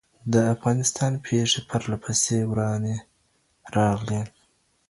د افغانستان پېښې پرله پسې ورانې راغلې.